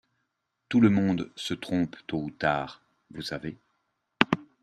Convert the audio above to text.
Tout le monde se trompe tôt ou tard, vous savez.